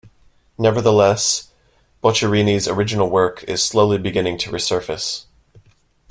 Nevertheless, Boccherini's original work is slowly beginning to resurface.